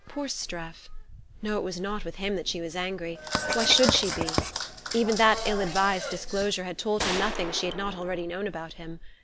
Poor Streff! No, it was not with him that she was angry. Why should she be? Even that ill advised disclosure had told her nothing she had not already known about him.